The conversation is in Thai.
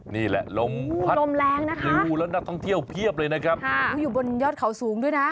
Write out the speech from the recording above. นี่แหละลมพัดลมแรงนะคะแล้วนักท่องเที่ยวเพียบเลยนะครับค่ะอยู่บนยอดเขาสูงด้วยนะ